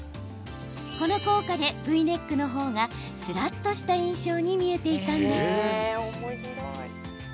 この効果で、Ｖネックの方がすらっとした印象に見えていたんです。